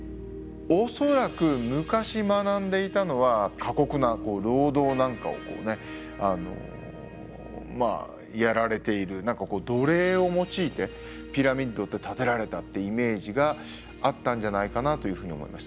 恐らく昔学んでいたのは過酷な労働なんかをやられている奴隷を用いてピラミッドって建てられたってイメージがあったんじゃないかなというふうに思います。